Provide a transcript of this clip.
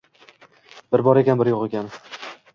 Bir bor ekan, bir yo‘q ekan...